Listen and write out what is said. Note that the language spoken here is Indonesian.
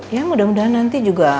ya mudah mudahan nanti juga